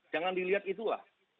jangan dilihat itulah